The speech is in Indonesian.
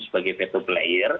sebagai title player